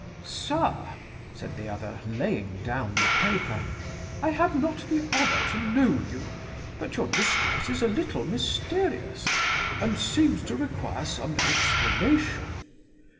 'Sir (said the other, laying down the paper) I have not the honour to know you; but your discourse is a little mysterious, and seems to require some explanation.